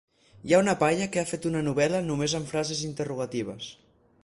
Hi ha una paia que ha fet una novel·la només amb frases interrogatives.